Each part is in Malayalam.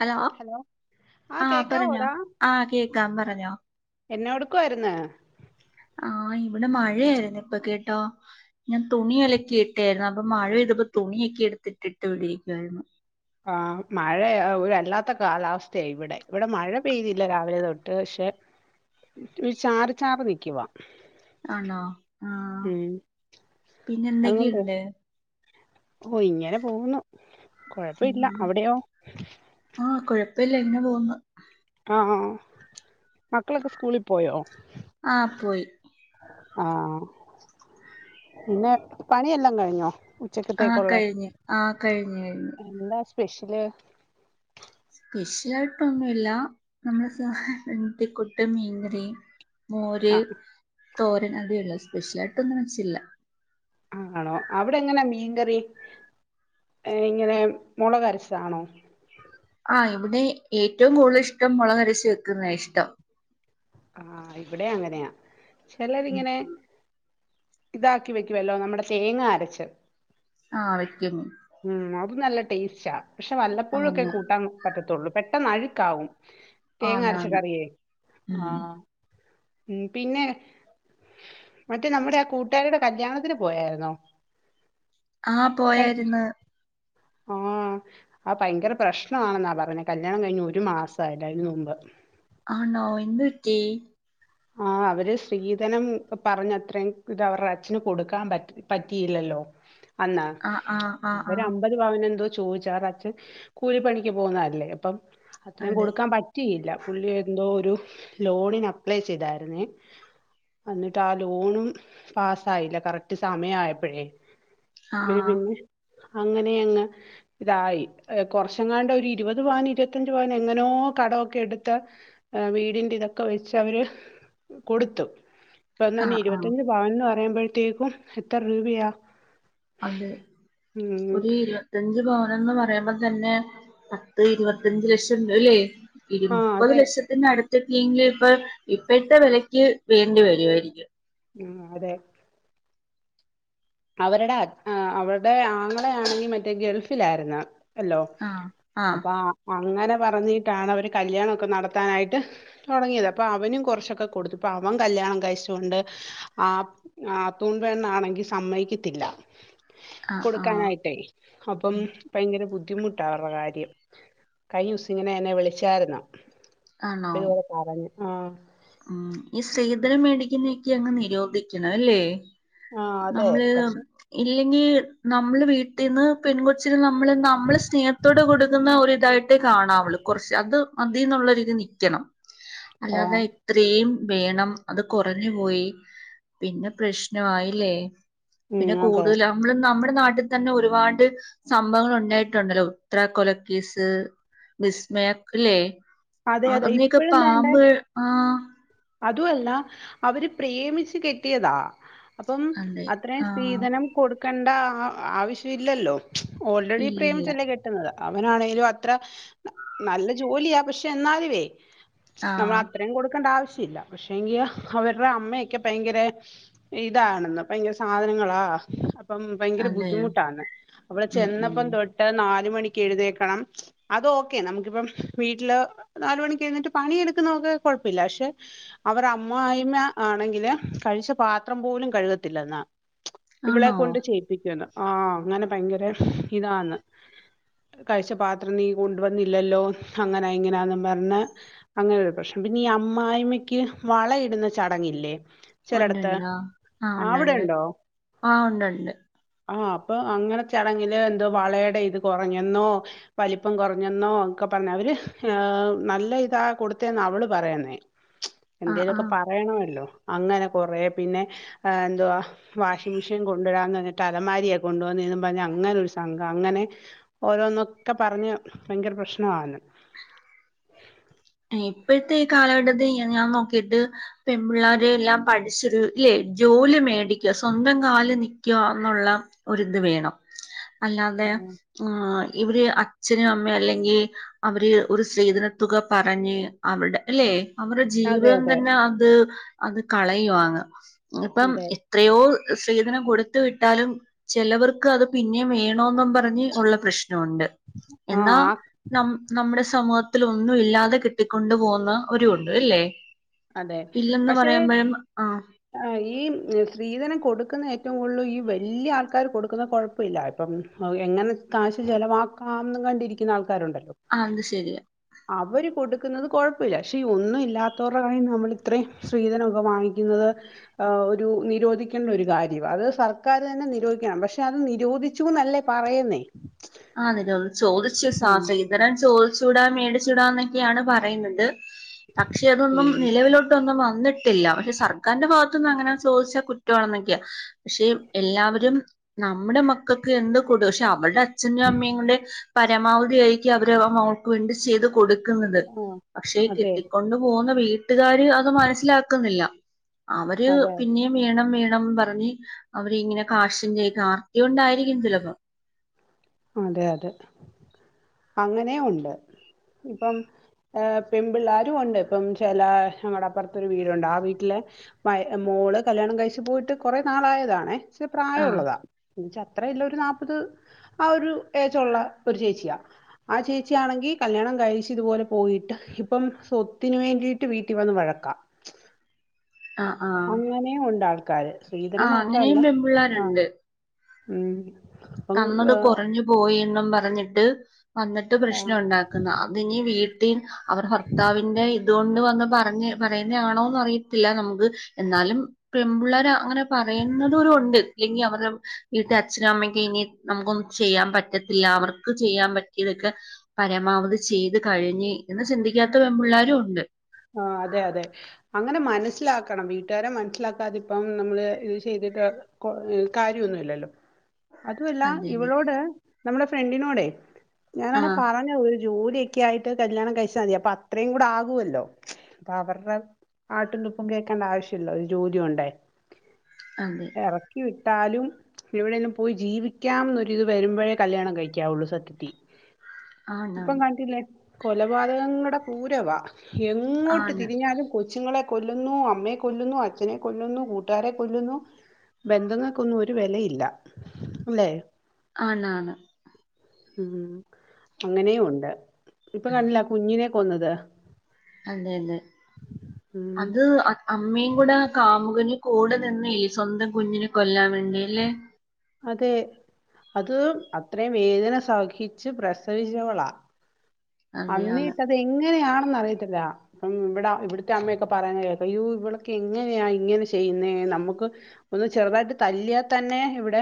ഹലോ, ആ ആഹ് പറഞ്ഞോ, കേക്കാവോടാ ആഹ് കേക്കാം പറഞ്ഞോ. എന്നാടുക്കുവായിരുന്ന്? ആഹ് ഇവിടെ മഴയാരുന്നു ഇപ്പൊ കേട്ടോ ഞാൻ തുണി അലക്കി ഇട്ടായിരുന്നു, അപ്പൊ മഴ പെയ്തപ്പോ തുണിയൊക്കെ എടുത്തിട്ടിട്ട് ഇവിടിരിക്കുവായിരുന്നു. ആഹ് മഴ ഒരു വല്ലാത്ത കാലാവസ്ഥയാ ഇവിടെ, ഇവിടെ മഴ പെയ്തില്ല രാവിലെ തൊട്ട് പക്ഷെ ഈ ചാറി ചാറി നിക്കുവാ. ആണോ? ആഹ് പിന്നെ അതുകൊണ്ട് എന്തൊക്കെയുണ്ട്? ഓ ഇങ്ങനെ പോവുന്നു, കൊഴപ്പില്ല, അവിടെയോ? ആഹ് കുഴപ്പില്ല ഇങ്ങനെ പോകുന്ന്. ആഹ് മക്കളൊക്കെ സ്കൂളിൽ പോയോ? ആഹ് പോയി. ആഹ് പിന്നെ പണിയെല്ലാം കഴിഞ്ഞോ? ഉ ആ ച്ചക്കത്തേക്കൊള്ളേ? കഴിഞ്ഞ് ആ കഴിഞ്ഞ് കഴിഞ്ഞ് എന്താ സ്പെഷ്യല്? സ്പെഷ്യലായിട്ടൊന്നുല്ല, നമ്മുടെ സ [unintelligible] കൂട്ട് മീൻകറി മോര്, ആ, തോരൻ അതേ ഉള്ളൂ സ്പെഷ്യലായിട്ടൊന്നും വെച്ചില്ല. ആണോ? അവിടെ എങ്ങനാ മീൻകറി ഇങ്ങനെ മുളകരച്ചതാണോ? ആഹ് ഇവിടെ ഏറ്റവും കൂടുതൽ ഇഷ്ടം മുളകരച്ച് വെക്കുന്ന ഇഷ്ടം. ആഹ് ഇവിടെ അങ്ങനെയാ. ചെലരിങ്ങനെ ഇതാക്കി വെക്കുവല്ലോ നമ്മുടെ തേങ്ങ അരച്ച് ആഹ് വെക്കും ഉം അതും നല്ല ടേസ്റ്റ പക്ഷെ വല്ലപ്പോഴൊക്കെ ആന്ന് കൂട്ടാൻ പറ്റത്തൊള്ളൂ പെട്ടെന്ന് അഴുക്കാവും തേങ്ങ അരച്ച ആന്നാണ് കറിയേ. ഉം ആഹ് ഉം പിന്നെ മറ്റേ നമ്മുടെ ആ കൂട്ടുകാരീടെ കല്യാണത്തിന് പോയാരുന്നോ? ആഹ് പോയാരുന്ന്. ആഹ് ആ ഭയങ്കര പ്രശ്നാണെന്നാ പറഞ്ഞെ കല്യാണം കഴിഞ്ഞ് ഒരു മാസായില്ല അയ്‌ന് മുമ്പ് ആണോ എന്ത്പറ്റി? ആ അവര് സ്ത്രീധനം പറഞ്ഞത്രയും ഇത് അവർടെ അച്ഛന് കൊടുക്കാൻ പറ്റി പറ്റിയില്ലല്ലോ അന്ന്. ആഹ് ആഹ് ആഹ് ആഹ് ഇവരമ്പത് പവൻ എന്തോ ചോദിച്ച് അവർ അച്ചൻ കൂലിപ്പണിക്ക് പോകുന്നല്ലേ അപ്പം അത്രയും അതെ കൊടുക്കാൻ പറ്റ റ്റിയില്ല. പുള്ളി എന്തോ ഒരു ലോണിന് അപ്ലൈ ചെയ്താരുന്നേ അന്നിട്ട് ആ ലോണും പാസായില്ല കറക്റ്റ് സമയായപ്പോഴേ അവര് ആഹ് പിന്നെ അങ്ങനെയങ്ങ് ഇതായി കുറച്ചങ്ങാണ്ട ഒരു ഇരുപത് പവന് ഇരുപത്തഞ്ച് പവൻ എങ്ങനോ കടമൊക്കെ എടുത്ത്. വീടിന്റെ ഇതൊക്കെ വെച്ച് അവര് കൊടുത്തു ഒന്ന ആഹ് ആഹ് ഇരുപത്തഞ്ച് പവന്ന് പറയുമ്പോഴത്തേക്കും എത്ര രൂപയാ അത് ഉം ഒരി ഇരു പത്തഞ്ച് പവനന്ന് പറയുമ്പോ തന്നെ പത്ത് ഇരുപത്തിയഞ്ച് ലക്ഷം രല്ലേ ഇരു ആ മുപ്പത് അതെ ലക്ഷത്തിനടുത്തൊക്കെങ്കിൽ ഇപ്പൊ ഇപ്പോഴത്തെ വെലയ്ക്ക് വേണ്ടി വരുാവായിരിക്കും. ഉം അതെ അവരുടെ അവരുടെ ആങ്ങളെ ആണെങ്കിൽ മറ്റേ ഗൾഫിലായിരുന്നു അല്ലോ ആഹ് ആഹ് അപ്പൊ അങ്ങനെ പറഞ്ഞിട്ടാണ് അവര് കല്യാണൊക്കെ നടത്താനായിട്ട് തൊടങ്ങിയത് അപ്പം അവനും കുറച്ചൊക്കെ കൊടുത്ത ഇപ്പം അവൻ കല്യാണം കഴിച്ചുകൊണ്ട് ആഹ് നാത്തൂൻ പെണ്ണാണെങ്കിൽ സമ്മയിക്കത്തില്ല ആഹ് ആഹ് കൊടുക്കാനായിട്ടേ അപ്പം ഭയങ്കര ബുദ്ധിമുട്ട അവരുടെ കാര്യം കഴിഞ്ഞസം ഇങ്ങനെ എന്നെ വിളിച്ചായിരുന്നു അപ്പൊ ആണോ ഇതുപോടെ പറഞ്ഞു ആഹ് ഉം ഈ സ്രീധനം മേടിക്കുന്നൊക്കെ അങ്ങ് നിരോധിക്കണം അല്ലേ ആ അതെ നമ്മള് പക്ഷെ ഇല്ലെങ്കിൽ നമ്മൾ വീട്ടിൽന്ന് പെൺകുച്ചിന് നമ്മൾ നമ്മള് സ്നേഹത്തോടെ കൊടുക്കുന്ന ഒരിതായിട്ട് കാണാവുള്ള് കുറച്ച് അത് മതിൽന്നുള്ള രീതിൽ നിക്കണം [inaudible] അല്ലതൊയി ഇത്രീയും വേണം അത് കുറഞ്ഞു പോയി പിന്നെ പ്രശ്നയില്ലേ ഉം പിന്നെ അതെ കൂടുല നമ്മൾ നമ്മുടെ നാട്ടിതന്നെ ഒരുപാട് സംഭവങ്ങൾ ഒണ്ടായിട്ടുണ്ടല്ലോ ഉത്തര കൊലക്കേസ് വിസ്മയല്ലേ അതെ ആഹ് അതെ അതിനൊക്കെ പാമ്പ് ആഹ് അതുഅല്ല അവര് പ്രേമിച്ച് കെട്ടിയതാ അപ്പം അതെ അത്രയും ആ സ്ത്രീധനം കൊടുക്കണ്ട ആഹ് ആവശ്യം ഇല്ലല്ലോ ഓൾറെഡി ഇല്ലില്ല പ്രേമിച്ചല്ലേ കെട്ടുന്നത് അവനാണേലും അത്ര നല്ല ജോലിയ പക്ഷ പക്ഷ എന്നാലുവേ നമ്മൾ ആഹ് അത്രേം കൊടുക്കണ്ട ആവശ്യല്ല. പക്ഷെ എങ്കിൽ അവരുടെ അമ്മയൊക്കെ ഭയങ്കര ഇതാണെന്ന് പ്പ ഭയങ്കര സാധനങ്ങളാ ഇപ്പം ഭയങ്കര അതെയോ ബുദ്ധിമുട്ടാണ് അവിടെ ഉം ഉം ചെന്നപ്പം തൊട്ട് ട്ട നാല് മണിക്ക് എഴുന്നെക്കണം അത് ഓക്കെ നമുക്കിപ്പം വീട്ടില് നാല് മണിക്കേഴുന്നേറ്റ് പണിയെടുക്കുന്നൊക്കെ കൊഴപ്പല്ല്യ പക്ഷെ. അവർ അമ്മയി അമ്മ ആണെങ്കില് കഴിച്ച പാത്രം പോലും കഴുകത്തില്ലന് ഇവളെ ആണോ കൊണ്ട് ചെയ്യിപ്പിക്കുവുന്നു ആഹ് അങ്ങനെ ഭയങ്കര ഇതന്ന് കഴിച്ച പാത്രം നീ കൊണ്ടുവന്നില്ലല്ലോ അങ്ങനെ ഇങ്ങനാ പറഞ്ഞ് അങ്ങനെ ഒരു പ്രശ്നം പിന്നെ ഈ അമ്മായി്മയ്ക്ക് വളയിടുന്ന ചടങ്ങില്ലേ ചിലടത്ത് ഉണ്ട്ണ്ടോ ആഹ് അവിടെ ഉണ്ട്ണ്ട് ഉണ്ടോ ആഹ് ഉണ്ടണ്ട് ആഹ് അപ്പൊ അങ്ങനെ ചടങ്ങില് എന്തോ വളയുടെ ഇത് കുറഞ്ഞെന്നോ വലിപ്പം കുറഞ്ഞെന്നോ ഒക്കെ പറഞ്ഞാ അവര് നല്ല ഇതാ കൊടുത്തന്ന് അവള് പറയന്നേ ആ ആ എന്തേലൊക്കെ പറയണല്ലോ അങ്ങനെ കൊറേ പിന്നെ എന്തുവാ വാഷിംഗ് മെഷീൻ കൊണ്ടടാന്ന് എന്നിട്ട് അലമാരിയെ കൊണ്ട വന്ന ഇന്ന് പറഞ്ഞഞ് അങ്ങനെ ഒരു സംഘം അങ്ങനെ ഓരോന്നൊക്കെ പറഞ്ഞ് ഭയങ്കര പ്രശ്നവാന്ന് ഇപ്പോഴത്തെ ഈ കാലഘട്ടത്തിൽ ഞാൻ നോക്കിട്ട് പെൺ പിള്ളോര എല്ലാം പഠിച്ചിരുല്ലേ ജോലി മേടിക്ക സ്വന്തം കാല് നിക്കുക എന്നുള്ള ഒരിത് വേണം അല്ലാതെ ആഹ് ഇവര് അച്ഛനും അമ്മയും അല്ലെങ്കിൽ അവര് ഒരു സ്ത്രീധന തുക പറഞ്ഞ് അവരുടെ അല്ലെ അവരുടെ അതെ ജീവിതം അതെ തന്നെ അ അത് കളയവാ ഇപ്പം അതെ എത്രയോ സ്ത്രീധനം കൊടുത്ത വിട്ടാലും ചിലവർക്ക് അത് പിന്നേെ വേണോന്നും പറഞ്ഞ് ഉള്ള പ്രശ്നമുണ്ട് എന്നാ ആഹ് ന നമ്മുടെ സമൂഹത്തി ഒന്നും ഇല്ലാ കിട്ടിക്കൊണ്ട് പോകുന്ന ഒരു ഉണ്ട് അല്ലേ അതെ ഇല്ലന്ന് പക്ഷേ പറയുമ്പോഴും ആ ആ ഈ സ്ത്രീധനം കൊടുക്കുന്ന ഏറ്റവും കൂടുതൽ ഈ വലിയ ആൾക്കാാര് കൊടുക്കുന്ന കുഴപ്പം കുഴപ്പില്ല ഇപ്പം എങ്ങനെ കാാശ് ചലവാക്കാംന്ന് കണ്ടിരിക്കുന്ന ആൾക്കാരുണ്ടല്ലോ ആഹ അത് ശരി അവര് കൊടുക്കുന്നത് കൊഴപ്പമില്ല പക്ഷെ ഒന്നും ഇല്ലാത്തവർ ണ നമ്മൾ ഇത്രയും സ്ത്രീധനമൊക്കെ വാങ്ങിക്കുന്നത് ഒരു നിരോധിക്കേണ്ട ഒരു കാര്യമാണ് അത് സർക്കാർ തന്നെ നിരോധിക്കണം പക്ഷെ അത് നിരോധിച്ചു നല്ല പറയുന്നേ ആതന്ന് ചോദിച്ചു സാ ഉം ഇരം ചോദിച്ചുടാ മേടിച്ചൂടാ എന്നൊക്കെയാണ് പറയുന്നത് പക്ഷെ അതൊന്നും ഉം നിലവിലോട്ട് ഒന്നും വന്നിട്ടില്ല പക്ഷെ സർക്കാരിന്റെ ഭാഗത്തനിന്ന് അങ്ങനെ ചോദിച്ചാ കുറ്റമാണെന്നൊക്കെയാ പക്ഷെ എല്ലാവരും നമ്മുടെ മക്കൾക്ക് എന്ത് കൊട്ക് പക്ഷെ അവടെ അച്ഛന്റെയും അമ്മയും കൂയും പരമാവധി ആയിരിക്കും അവര് അവൾക്ക് വേണ്ടി ചെയ്ത് കൊടു ക്കുന്നത് ആ പക്ഷെ അതെ കുട്ടിക്കൊണ്ട് പോകുന്ന വീട്ടുകാര് അത് മനസ്സിലാക്കുന്നില്ല അവര് അതെ പിന്നെ വീണം വീണം പറഞ്ഞ് അവരിങ്ങനെ കാശിന്റെ ആർത്തി കൊണ്ടായിരിക്കും ചിലപ്പോ അതെ അതെ അങ്ങനെയ ഉണ്ട് ഇപ്പം പെൺ പിള്ളേരുും ഉണ്ട് ഇപ്പം ചില ഞങ്ങളുടെ അപ്പുറത്തൊരു വീടുണ്ട് ആ വീട്ടിലെ മ മോള് കല്യാണം കഴിച്ചു പോയിട്ട് കുറെേ നാളായതാണേ മ ആഹ് പ്രായമുള്ളതാ എച്ച അത്ര ഇല്ല ഒരു നാല്പത് ആ ഒരു ഏച്ചുള്ള ഒരു ചേച്ചിയാ ആ ചേച്ചിയാണെങ്കിൽ കല്യാണം ആ ചിഇതുപോലെ പോയിട്ട് ഇപ്പം സ്വത്തിന് വേണ്ടിയിട്ട് വീട്ടിൽ വന്ന് വഴക്കാം ആഹ് ആഹ് അങ്ങനെയും ഉണ്ട് ആൾക്കാര് ശ്രീധനം ആഹ് മാത്രല്ല അങ്ങനെയും ആഹ പെമ്പിള്ളേരുണ്ട് ഉ തന്നത് കുറഞ്ഞു പോയി എന്നും പറഞ്ഞിട്ട് വന്നിട്ട് ആഹ് പ്രശ്നംുണ്ടാക്കും അത് വീട്ടിൽ അവടെ ഭർത്താവിന്റെ അതുകൊണ്ട് വന്ന് പറഞ്ഞ പറയുന്നത ആണോന്ന് അറിയത്തില്ല നമുക്ക് എന്നാലും പെപള്ളേർ അങ്ങനെ പറയുന്നതരു ഉണ്ട് ഇല്ലെങ്കിൽ അവരുടെ വീട്ട അച്ഛനും അമ്മക്ക് ഇനി നമുക്കൊന്നും ചെയ്യാൻ പറ്റത്തില്ല അവർക്ക് ചെയ്യാൻ പറ്റിയതൊക്കെ പരമാവധി ചെയ്ത് കഴിഞ്ഞ് എന്ന് ചിന്തിക്കാത്ത വെ്പിള്ളേരുും ഉണ്ട് ആഹ് അതെ അതെ അങ്ങനെ മനസ്സിലാക്കണം വീട്ടുകാരെ മനസ്സിലാക്കാതിപ്പം നമ്മള് ഇത് ചെയ്തിട്ട് കോകാര്യോന്നുല്ലല്ലോ അതുമല്ല അതെ അതെ ഇവളോട് നമ്മടെ ഫ്രണ്ടിനോടെ ഞാനാണ് ആഹ് പറഞ്ഞത് ജോലിയൊക്കെ ആയിട്ട് കല്യാണം കഴിച്ചാൽ മതി അപ്പ അത്രയും കൂടെ ആകുവല്ലോ അപ്പൊ അവർടെ ആട്ടും തുപ്പും കേക്കണ്ട ആവശ്യല്ല ഒരു ജോലിയുണ്ടയ് അതെ ഇറക്കി വിട്ടാലും ഇവിടെന്ന് പോയി ജീവിക്കാംന്നൊരു വരുമ്പോഴേ കല്യാണം കഴിക്കാവുള്ളു സത്യത്തി ആണ് ഇപ്പം കണ്ടില്ലേ കൊലപാതകങ്ങളുടെ പൂരവ എ എങ്ങോട്ട് ആണ് തിരിഞ്ഞാലും കൊച്ചുങ്ങളെ കൊല്ലുന്നു അമ്മയെ കൊല്ലുന്നു അച്ഛനെ കൊല്ലുന്നു കൂട്ടുകാരെ കൊല്ലുന്നു ബന്ധങ്ങൾക്കൊന്നും ഒരു വെലയില്ല അല്ലെ ആണ് ആണ് ഉം അങ്ങനെ ഉണ്ട് ഇപ്പൊ കണ്ടില്ലെ അ കുഞ്ഞിനെ കൊന്നത് അതെ ഉം അതെ അത്അ അമ്മേ കൂടെ ആ കാമുകന് കൂടെ നിന്ന് സ്വന്തം കുഞ്ഞിനെ കൊല്ലാൻ വേണ്ടി അല്ലേ അതെ അത് അത്രയും വേദന സഹിച്ച് പ്രസവിച്ചവളാ അതെയാണ് അന്നിട്ട്ത് എങ്ങനെയാണെന്ന് അറിയത്തില്ല ഉം ഇവടെ ഇവിടത്തെ അമ്മയൊക്കെ പറയെന്ന് കേക്കാ അയ്യോ ഇവിളോക്കെ എങ്ങനെയാ ഇങ്ങനെ ചെയ്യുന്നേ നമ്മുക്ക് ഒന്ന് ചെറുതായിട്ട് തല്ലിയാൽ തന്നെ ഇവിടെ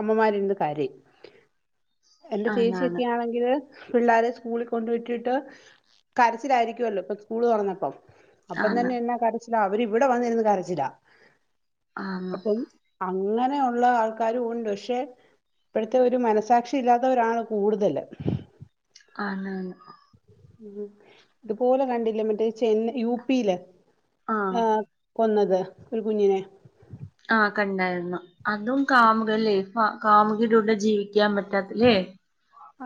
അമ്മമാര് ഇരുന്ന് കരയും എന്റെ ആണാണ് ചേച്ചിക്കെ ആണെങ്കില് പിള്ളേരെ സ്കൂളിൽ കൊണ്ട് വിട്ടിട്ട് കരച്ചിലായിരിക്കല്ലോ സ്കൂൾ തോറന്നപ്പം അപ്പം ആണ് തന്നെ ചില അവര് ഇവിടെ വന്നിരുന്ന് കരച്ചില ആഹ് ആഹ് അങ്ങനെ ഉള്ള ആൾക്കാരും ഉണ്ട് പക്ഷെ ഇപ്പോഴത്തെ ഒരു മനസാക്ഷി ഇല്ലാത്തവരാണ് കൂടുതല് ആന്ന് ആന്ന് ഉം ഇതുപോലെ കണ്ടില്ലേ മറ്റേ ചെന്ന യു പിയില് ആഹ് കൊന്നത് ഒരു കുഞ്ഞിനെ ആഹ് കണ്ടായിരുന്നു അതും കാമുകല്ലേ ക കാമുകിടെകൂടെ ജീവിക്കാൻ പറ്റാത്തല്ലേ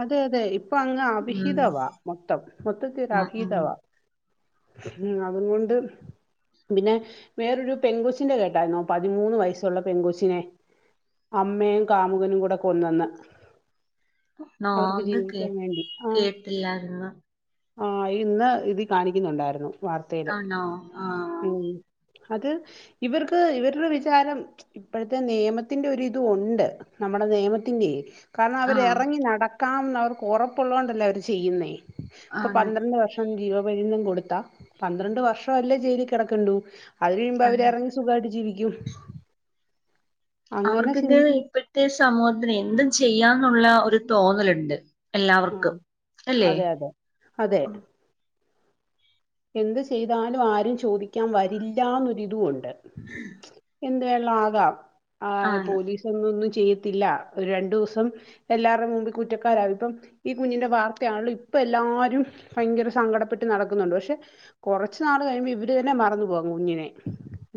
അതെ അതെ ഇപ്പൊ അങ്ങ് ഉം അവിഹിതവാ മൊത്തം മൊത്തത്തി ഒരു ഉം ഉം അവിഹിതവാ ഉം അതും കൊണ്ട് പിന്നെ വേറൊരു പെൻകൊച്ചിന്റെ കേട്ടായിന്നോ പതിമൂന്ന് വയസ്സുള്ള പെൻകൊച്ചിനെ അമ്മയും കാമുകനും കൂടെ കൊന്നന്ന് നാന്ത് കേ ജീവിക്കാൻ വേണ്ടി ആഹ് കേട്ടില്ലാരുന്നു ആഹ് ഇന്ന് ഇതി കാണിക്കുന്നുണ്ടായിരുന്നു വാർത്തെയില് ആണോ ആഹ് ഉം അത് ഇവർക്ക് ഇവരുടെ വിജാരം ഇപ്പോഴത്തെ നിയമത്തിന്റെ ഒരിതു ഉണ്ട് നമ്മടെ നിയമത്തിന്റെ കാരണം അവര് ആഹ് ഇറങ്ങി നടക്കാം എന്ന് അവർക്ക് ഉറപ്പുള്ളത് കൊണ്ടല്ലേ അവര് ചെയ്യുന്നേ ഇപ്പൊ ആണ് പന്ത്രണ്ട് വർഷം ജീവപര്യന്തം കൊടുത്താ പന്ത്രണ്ട് വർഷം അല്ലേ ജയിലി കെടക്കണ്ടു അത് കഴിയുമ്പോ അവര് ആണ്. ഇറങ്ങി സുഖയിട്ട് ജീവിക്കുലോ അവർക്കക്കെ ചിന്തിക്കുന്നു ഇപ്പോഴത്തെ സമൂഹത്തിന് എന്തും ചെയ്യാന്നുള്ള ഒരു തോന്നല്ണ്ട് ആ എല്ലാവർക്കും അല്ലേ അതെ അതെ അതെ എന്ത് ചെയ്താലും ആരും ചോദിക്കാൻ വരില്ല എന്നൊരിതു ഉണ്ട് എന്ത് വേണേലും ആകാം ആഹ് ആണ് പോലീസോന്നും ഒന്നും ചെയ്യത്തില്ല ഒരു രണ്ടൂസം എല്ലാവരുടെയും മുമ്പിൽ കുറ്റക്കാരയി ഇപ്പം ഈ കുഞ്ഞിന്റെ വാർത്തയാണല്ലോ ഇപ്പൊ എല്ലാരും ഭയങ്കര സങ്കടപ്പെട്ട് നടക്കുന്നുണ്ട് പക്ഷെ കൊറച്ചു നാൾ കഴിയുമ്പോ ഇവര് തന്നെ മറന്നു പോകും കുഞ്ഞിനെ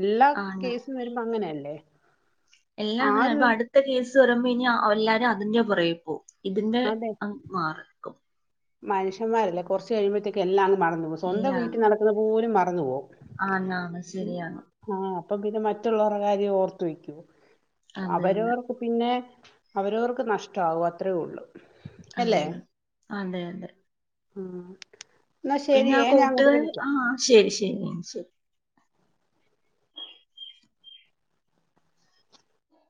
എല്ലാ ആണ് കേസും വരുമ്പോ അങ്ങനെയല്ലേ എല്ലാ അങ്ങനെ ഇപ്പൊ ആരും അടുത്ത കേസ് വരുമ്പോ ഇനി എല്ലാരും അതിന്റെ പൊറകേപോവും ഇതിന്റെ ആമാറും മനുഷന്മാരല്ലേ കൊറച്ച് കഴിയുമ്പോത്തേക്ക് എല്ലാം അങ് മറന്ന് പോവും സ്വന്തം വീട്ടിനടക്കുന്ന പോലും മറന്നുപോവും ആന്ന അണ് ശെരിയാണ് ആഹ് അപ്പൊ പിന്നെ മറ്റുള്ളോരേ കാര്യം ഓർത്ത് വെക്കൊ അത് തന്നെ അവരവർ പിന്നെ അവരവർക്ക് നഷ്ട്ടാവു അത്രേള്ളു അതെ അതെ അതെ ആഹ് പിന്നെ ആഹ് കൂട്ടുകാരി ആഹ് ശെരി ശെരി ശെരി